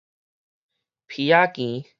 埤仔墘